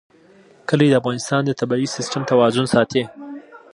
کلي د افغانستان د طبعي سیسټم توازن ساتي.